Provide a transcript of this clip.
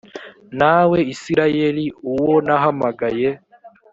nawe isirayeli uwo nahamagaye